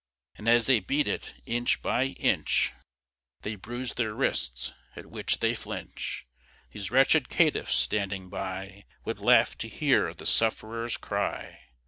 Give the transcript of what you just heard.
And as they beat it inch by inch, They bruis'd their wrists, at which they flinch; Those wretched caitiffs standing by, Would laugh to hear the sufferers cry.